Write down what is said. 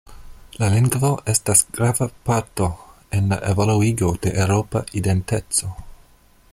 La lingvo estas grava parto en la evoluigo de eŭropa identeco.